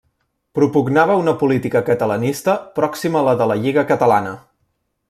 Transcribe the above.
Propugnava una política catalanista pròxima a la de la Lliga Catalana.